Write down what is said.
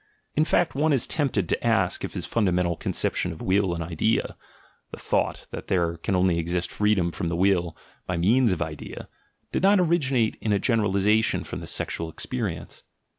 In fact, one is tempted to ask if his fundamental conception of Will and Idea, the thought that there can only exist freedom from the "will" by means of "idea," did not originate in a generalisation from this sex ual experience.